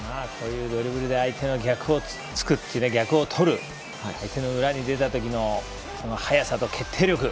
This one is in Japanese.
ドリブルで相手の逆をつく、逆をとる相手の裏に出た時の速さと決定力。